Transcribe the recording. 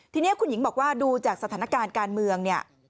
ทีนี้คุณหญิงบอกว่าดูจากสถานการณ์การเมืองเนี่ย